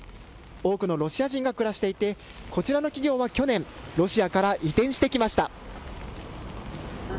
多くのロシア人が暮らしていて、こちらの企業は去年、ロシアから移転してきました。